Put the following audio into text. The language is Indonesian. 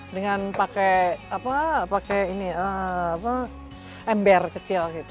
dengan pakai apa pakai ini ember kecil gitu